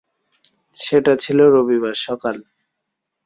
সেটা ছিল রবিবার সকাল।